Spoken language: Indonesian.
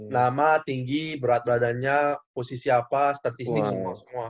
nama tinggi berat badannya posisi apa statistik semua semua